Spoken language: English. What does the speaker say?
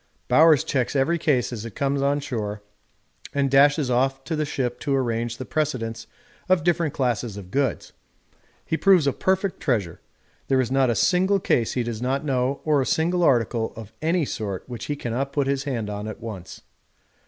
Bowers checks every case as it comes on shore and dashes off to the ship to arrange the precedence of different classes of goods. He proves a perfect treasure; there is not a single case he does not know or a single article of any sort which he cannot put his hand on at once.